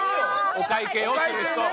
お会計をする人。